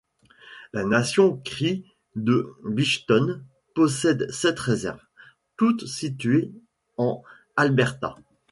La Nation crie de Bigstone possède sept réserves, toutes situées en Alberta.